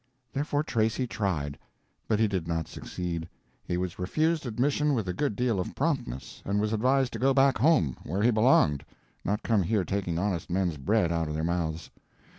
Therefore Tracy tried; but he did not succeed. He was refused admission with a good deal of promptness, and was advised to go back home, where he belonged, not come here taking honest men's bread out of their mouths.